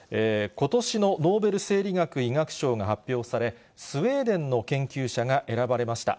ことしのノーベル生理学・医学賞が発表され、スウェーデンの研究者が選ばれました。